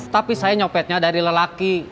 tapi saya nyopetnya dari lelaki